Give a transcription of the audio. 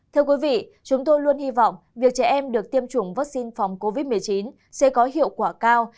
thưa quý vị chúng tôi luôn hy vọng việc trẻ em được tiêm chủng vaccine phòng covid một mươi chín sẽ có hiệu quả cao